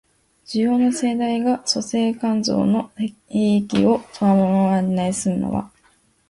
需要の盛大が粗製濫造の弊を伴わないで済むのは、